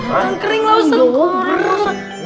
daun kering ustadz